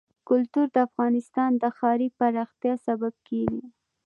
کلتور د افغانستان د ښاري پراختیا سبب کېږي.